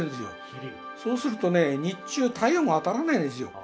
そうするとね日中太陽が当たらないんですよ。